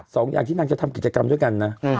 สองอย่างที่นางจะทำกิจกรรมด้วยกันนะ